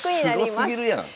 すごすぎるやん。